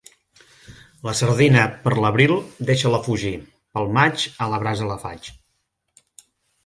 La sardina, per l'abril, deixa-la fugir; pel maig, a la brasa la faig.